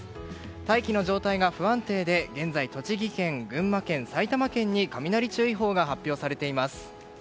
大気の状態が不安定で現在、栃木県、群馬県、埼玉県に雷注意報が発表されています。